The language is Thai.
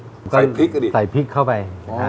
ใส่พริกใส่พริกเข้าไป